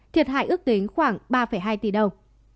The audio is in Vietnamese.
thiệt hại ước tính khoảng ba hai tỷ đồng